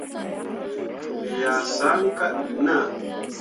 Me yah saŋ kah ɗuu naa.